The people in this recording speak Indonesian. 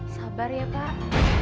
sabar ya pak